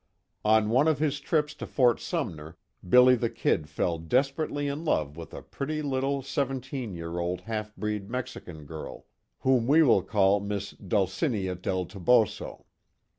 On one of his trips to Fort Sumner, "Billy the Kid" fell desperately in love with a pretty little seventeen year old half breed Mexican girl, whom we will call Miss Dulcinea del Toboso.